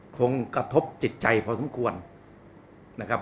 คงกระทบจิตใจพอสมควรนะครับ